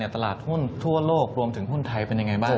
ตลาดหุ้นทั่วโลกรวมถึงหุ้นไทยเป็นยังไงบ้าง